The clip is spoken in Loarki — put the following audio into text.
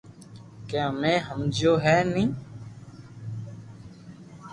ڪي ھمي ھمجيو ھي ني